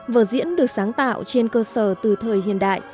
vở diễn được sáng tạo trên cơ sở từ thời hiện đại